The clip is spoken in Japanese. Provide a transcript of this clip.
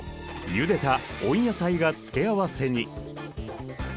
ゆでた温野菜が付け合わせに。